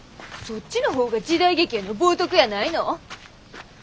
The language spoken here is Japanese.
そっちの方が時代劇への冒とくやないの？